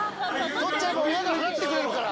取っちゃえ、親が払ってくれるから。